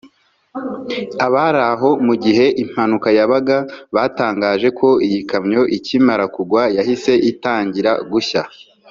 Abari aho mu gihe impanuka yabaga batangaje ko iyi kamyo ikimara kugwa yahise itangira gushya